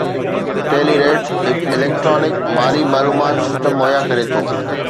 Telerate هڪ electronic مالي معلومات سسٽم مهيا ڪري ٿو